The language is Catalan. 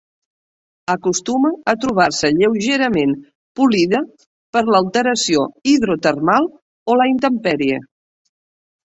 Acostuma a trobar-se lleugerament polida per l'alteració hidrotermal o la intempèrie.